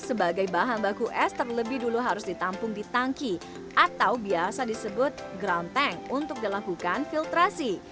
sebagai bahan baku es terlebih dulu harus ditampung di tangki atau biasa disebut ground tank untuk dilakukan filtrasi